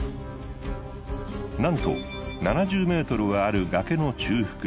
なんと７０ｍはある崖の中腹。